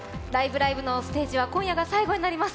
ライブ！」のステージは今夜が最後になります。